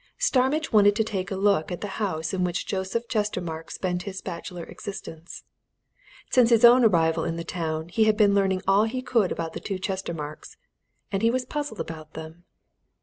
Starmidge wanted to take a look at the house in which Joseph Chestermarke spent his bachelor existence. Since his own arrival in the town, he had been learning all he could about the two Chestermarkes, and he was puzzled about them.